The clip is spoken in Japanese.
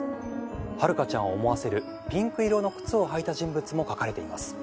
「遥香ちゃんを思わせるピンク色の靴を履いた人物も描かれています」